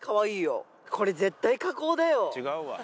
違うわ！